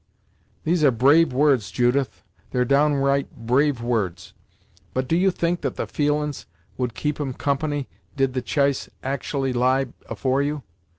"These are brave words, Judith; they're downright brave words; but do you think that the feelin's would keep 'em company, did the ch'ice actually lie afore you?